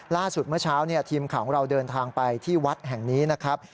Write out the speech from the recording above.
เมื่อเช้าทีมข่าวของเราเดินทางไปที่วัดแห่งนี้นะครับ